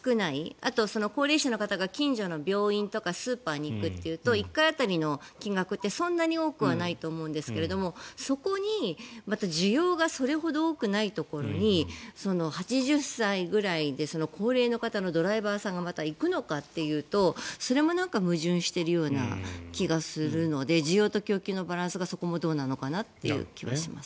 あと、高齢者の方が近所の病院とかスーパーに行くというと１回当たりの金額って、そんなに多くはないと思うんですがそこに、また需要がそれほど多くないところに８０歳ぐらいで高齢の方のドライバーさんがまた行くのかというとそれも矛盾してるような気がするので需要と供給のバランスがそこもどうなのかなという気はします。